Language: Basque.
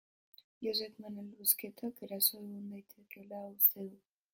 Josep Manel Busquetak erasoak egon daitezkeela uste du.